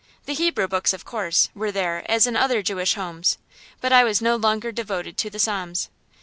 The Hebrew books, of course, were there, as in other Jewish homes; but I was no longer devoted to the Psalms.